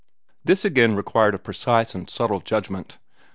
This again required a precise and subtle judgment.